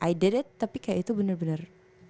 i did it tapi kayak itu bener bener